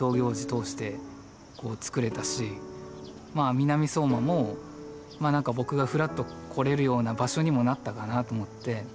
南相馬もなんか僕がふらっと来れるような場所にもなったかなと思って。